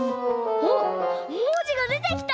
あっもじがでてきた！